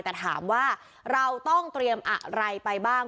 แต่ถามว่าเราต้องเตรียมอะไรไปบ้าง